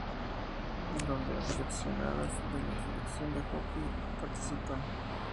Donde las seleccionadas de la Selección de Hockey participan.